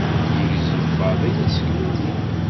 Yegzem Faḍil aseklu-nni.